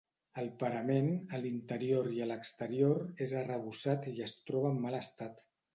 El parament, a l'interior i a l'exterior, és arrebossat i es troba en mal estat.